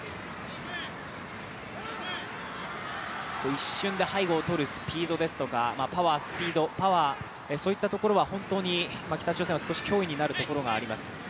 一瞬で背後をとるスピードですとか、パワー、スピード、そういったところは本当に北朝鮮は少し脅威になるところがあります。